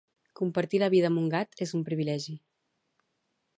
Compartir la vida amb un gat és un privilegi.